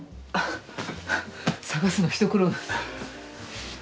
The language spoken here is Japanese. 捜すの一苦労だ。